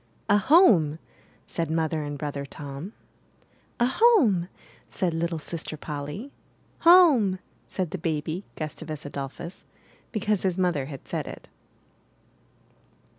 '* A homeT' said Mother and Brother Tom. '*A home!'' said little Sister Polly. Home!" said the baby, Gustavus Adolphus, because his mother had said it.